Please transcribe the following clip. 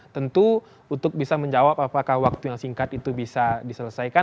tentu untuk bisa menjawab apakah waktu yang singkat itu bisa diselesaikan